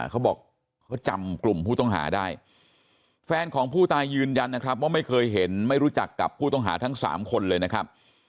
เขาบอกเขาจำกลุ่มผู้ต้องหาได้แฟนของผู้ตายยืนยันนะครับว่าไม่เคยเห็นไม่รู้จักกับผู้ต้องหาทั้ง๓คนเลยนะครับ